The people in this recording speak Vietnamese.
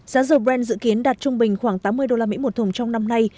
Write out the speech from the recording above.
giá dầu brent dự kiến đạt trung bình khoảng tám mươi usd một thùng trong năm nay